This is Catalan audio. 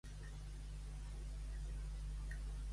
Mas demana a Unides Podem que faciliti la investidura de Rajoy.